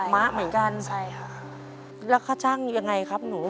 มะเหมือนกันใช่ค่ะแล้วค่าช่างยังไงครับหนู